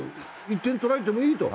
１点とられてもいいと。